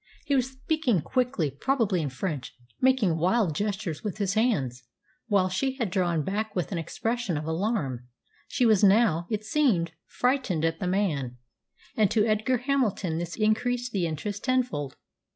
He was speaking quickly, probably in French, making wild gestures with his hands, while she had drawn back with an expression of alarm. She was now, it seemed, frightened at the man, and to Edgar Hamilton this increased the interest tenfold.